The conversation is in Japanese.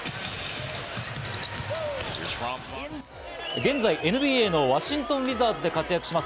現在、ＮＢＡのワシントン・ウィザーズで活躍します